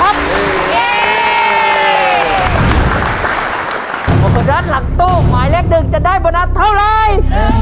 โดยโดยคุณรัฐหลักตู้หมายเลข๑จะได้โบนัสเท่าไร